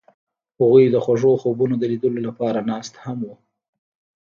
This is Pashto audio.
هغوی د خوږ خوبونو د لیدلو لپاره ناست هم وو.